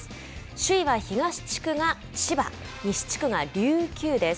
首位は東地区が千葉、西地区が琉球です。